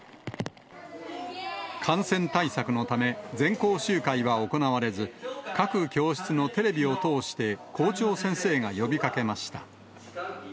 感染対策のため、全校集会は行われず、各教室のテレビを通して校長先生が呼びかけました。